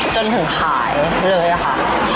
จนถึงขายเลยค่ะ